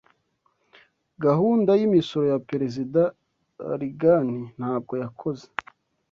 Gahunda y’imisoro ya Perezida Reagan ntabwo yakoze.